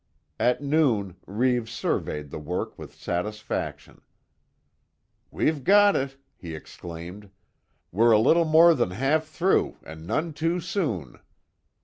At noon Reeves surveyed the work with satisfaction: "We've got it!" he exclaimed, "We're a little more than half through, and none too soon."